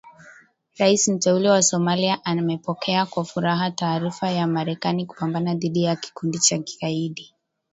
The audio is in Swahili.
Rais Mteule wa Somalia amepokea kwa furaha taarifa ya Marekani kupambana dhidi ya Kikundi cha Kigaidi